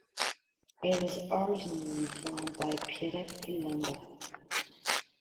It was originally designed by Pierrette Lambert.